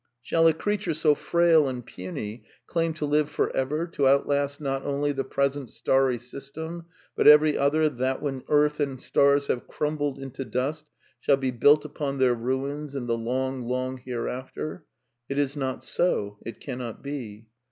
.. J* '' Shall a creature so frail and puny claim to live for ever, to outlast not only the present starry system, but every other tiiat when earth and stars have cnunbled into dust, shall be built upon their ruins in the long, long hereafter} It is not so, it cannot be.